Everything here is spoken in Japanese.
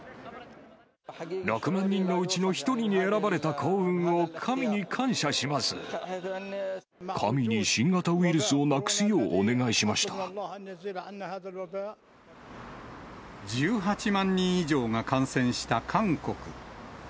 ６万人のうちの１人に選ばれ神に新型ウイルスをなくすよ１８万人以上が感染した韓国。